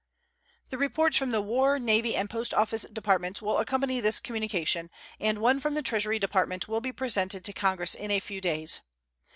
The reports from the War, Navy, and Post Office Departments will accompany this communication, and one from the Treasury Department will be presented to Congress in a few days.